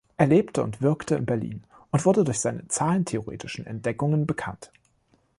Er lebte und wirkte in Berlin und wurde durch seine zahlentheoretischen Entdeckungen bekannt.